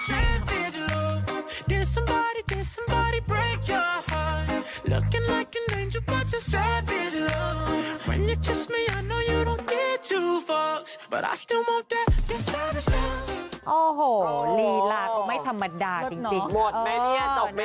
หมดมั้ยเนี่ยตกมั้ยเนี่ย